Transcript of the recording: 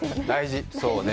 そうね。